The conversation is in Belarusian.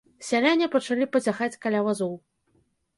Сяляне пачалі пазяхаць каля вазоў.